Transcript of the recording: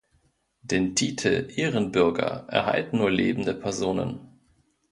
Den Titel Ehrenbürger erhalten nur lebende Personen.